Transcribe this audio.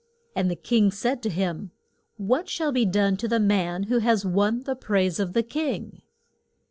And the king said to him, What shall be done to the man who has won the praise of the king?